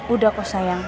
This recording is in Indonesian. udah kok sayang